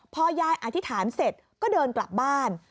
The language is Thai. พอยายอธิษฐานเสร็จก็เดินกลับบ้าน